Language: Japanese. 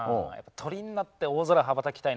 鳥になって大空を羽ばたきたい。